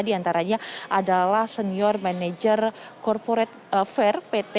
di antaranya adalah senior manager corporate fair pt